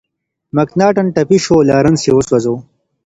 مکناتن ټپي شو او لارنس یې وسوځاوه.